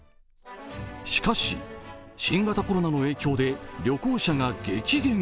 しかし、新型コロナの影響で旅行者が激減。